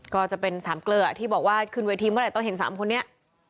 ก็จะเป็นสามเกลือที่บอกว่าขึ้นเวทีเมื่อไหร่ต้องเห็น๓คนนี้